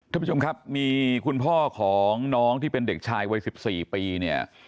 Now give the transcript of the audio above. ท่านผู้ชมครับมีคุณพ่อของน้องที่เป็นเด็กชายวัย๑๔ปีเนี่ย